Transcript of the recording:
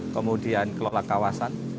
kemudian kelola kawasan